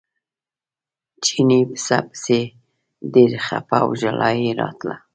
چیني پسه پسې ډېر خپه و ژړا یې راتله.